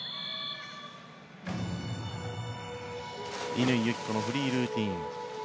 乾友紀子のフリールーティン。